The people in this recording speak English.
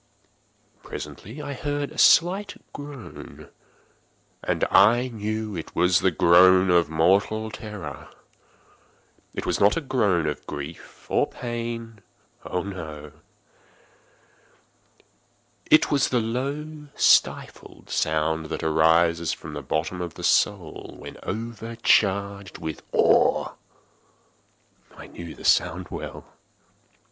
Presently I heard a slight groan, and I knew it was the groan of mortal terror. It was not a groan of pain or of grief—oh, no!—it was the low stifled sound that arises from the bottom of the soul when overcharged with awe. I knew the sound well.